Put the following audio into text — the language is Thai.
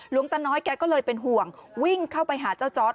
ตาน้อยแกก็เลยเป็นห่วงวิ่งเข้าไปหาเจ้าจอร์ด